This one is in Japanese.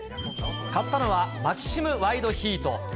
買ったのは、マキシムワイドヒート。